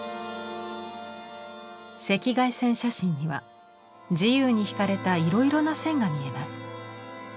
赤外線写真には自由に引かれたいろいろな線が見えます。